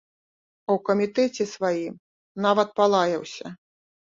А ў камітэце сваім нават палаяўся.